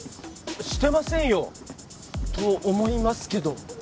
してませんよ！と思いますけど。